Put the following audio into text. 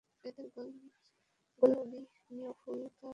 এদের গলবিলীয় ফুলকা রন্ধ্র নেই।